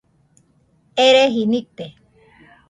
Ereji nite